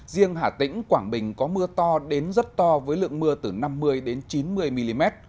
riêng hà tĩnh quảng bình có mưa to đến rất to với lượng mưa từ năm mươi chín mươi mm